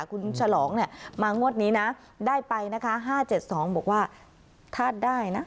คุณฉลองเนี่ยมางวดนี้นะได้ไปนะคะ๕๗๒บอกว่าถ้าได้นะ